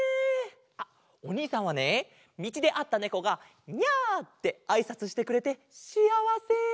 あっおにいさんはねみちであったネコが「ニャ」ってあいさつしてくれてシアワセ！